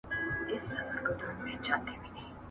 دوی روان دي